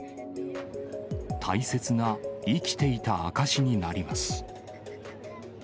大切な生きていた証しになります。